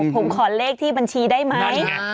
ผมขอเลขที่บัญชีได้ไหม